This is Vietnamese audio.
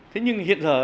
thế nhưng hiện giờ